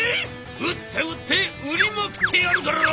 売って売って売りまくってやるからな！